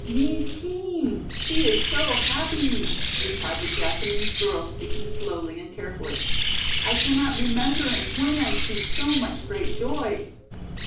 "Mees Kean, she is so happee," replied the Japanese girl, speaking slowly and carefully. "I cannot remembering when I see so much great joy."